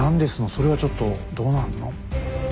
それはちょっとどうなんの？